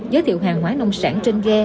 giới thiệu hàng hóa nông sản trên ghe